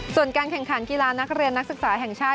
ส่วนการแข่งขันกีฬานักเรียนนักศึกษาแห่งชาติ